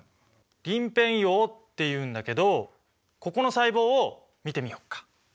鱗片葉っていうんだけどここの細胞を見てみようか。